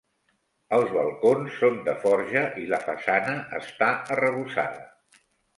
Els balcons són de forja i la façana està arrebossada.